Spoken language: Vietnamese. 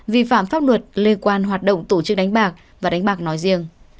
vi phạm pháp luật liên quan hoạt động tổ chức đánh bạc và đánh bạc nói riêng